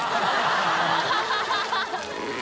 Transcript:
ハハハ